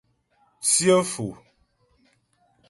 Tsyə́ Fò.